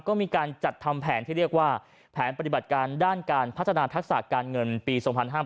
ก็มีการจัดทำแผนที่เรียกว่าแผนปฏิบัติการด้านการพัฒนาทักษะการเงินปี๒๕๕๙